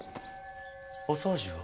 お掃除を。